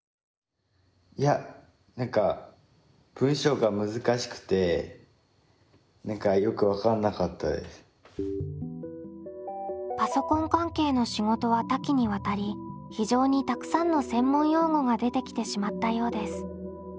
いや何かパソコン関係の仕事は多岐にわたり非常にたくさんの専門用語が出てきてしまったようです。